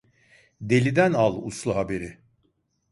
Deliden al uslu haberi.